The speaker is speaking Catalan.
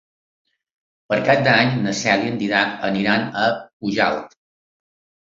Per Cap d'Any na Cel i en Dídac aniran a Pujalt.